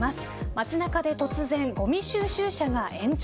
街中で突然、ごみ収集車が炎上